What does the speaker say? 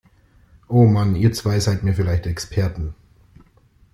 Oh Mann, ihr zwei seid mir vielleicht Experten!